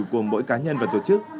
của mỗi cá nhân và tổ chức